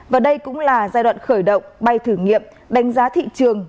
và đây cũng là giai đoạn khởi động bay thử nghiệm đánh giá thị trường